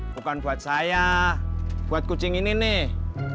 bukan buat saya buat kucing ini nih